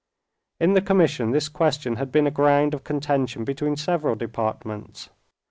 In the commission this question had been a ground of contention between several departments.